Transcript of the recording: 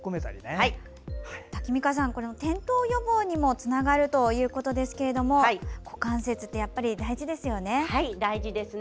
タキミカさんこれは転倒予防にもつながるということですが股関節ってやっぱり大事ですよね。